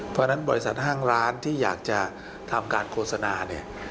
เพราะฉะนั้นบริษัทห้างร้านที่อยากจะทำการโฆษณาเนี่ย